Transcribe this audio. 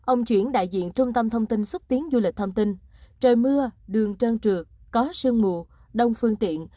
ông chuyển đại diện trung tâm thông tin xúc tiến du lịch thông tin trời mưa đường trơn trượt có sương mù đông phương tiện